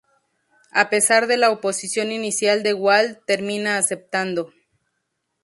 A pesar de la oposición inicial de Walt, termina aceptando.